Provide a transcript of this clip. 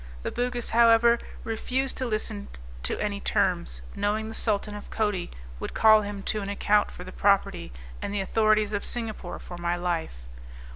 The Bugis, however, refused to listen to any terms, knowing the Sultan of Coti would call him to an account for the property, and the authorities of Singapore for my life.